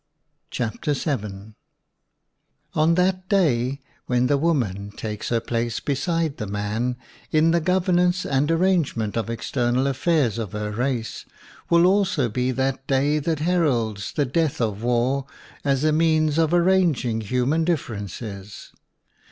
VII On that day when the woman takes her place beside the man in the gov ernance and arrangement of external affairs of her race will also be that day that heralds the death of war as a means of arranging human differ ences.